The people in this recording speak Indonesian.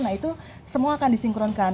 nah itu semua akan disinkronkan